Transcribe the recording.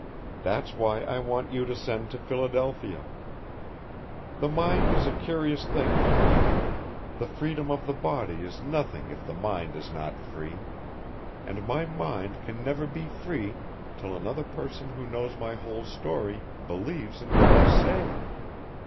That's why I want you to send to Philadelphia. The mind is a curious thing, gentlemen, the freedom of the body is nothing if the mind is not free, and my mind can never be free till another person who knows my whole story believes in what I say.